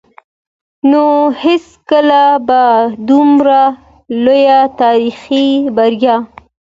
نو هېڅکله به دومره لويه تاريخي بريا